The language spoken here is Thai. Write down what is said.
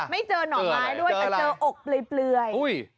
ไม่เจอหน่อไม้ด้วยแต่เจออกเปลือย